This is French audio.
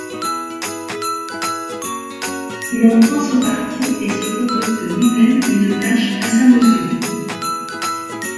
Il en prend son parti, et se concocte lui-même une tâche à sa mesure.